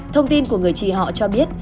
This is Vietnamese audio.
thông tin của người chị họ cho biết